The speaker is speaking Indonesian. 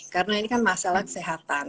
karena ini kan masalah kesehatan